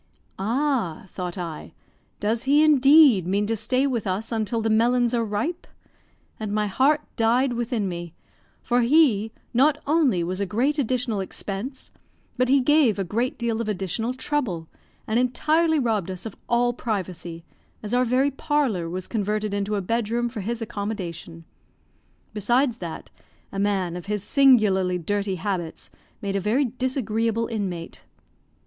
"Ah," thought I; "does he, indeed, mean to stay with us until the melons are ripe?" and my heart died within me, for he not only was a great additional expense, but he gave a great deal of additional trouble, and entirely robbed us of all privacy, as our very parlour was converted into a bed room for his accommodation; besides that, a man of his singularly dirty habits made a very disagreeable inmate.